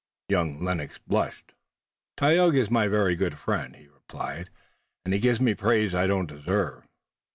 Young Lennox blushed. "Tayoga is my very good friend," he replied, "and he gives me praise I don't deserve."